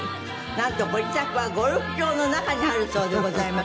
なんとご自宅はゴルフ場の中にあるそうでございます。